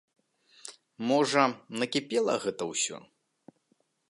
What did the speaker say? Можа, накіпела гэта ўсё.